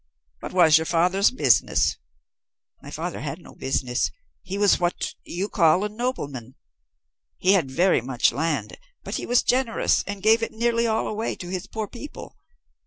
"What was your father's business?" "My father had no business. He was what you call a nobleman. He had very much land, but he was generous and gave it nearly all away to his poor people.